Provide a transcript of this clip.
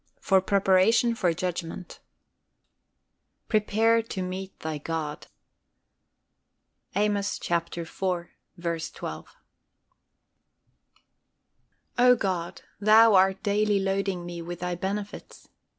FOR PREPARATION FOR JUDGMENT. "Prepare to meet thy God." Amos iv. 12. O God, Thou art daily loading me with Thy benefits.